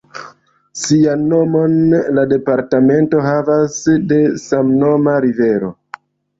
Sian nomon la departemento havas de samnoma rivero.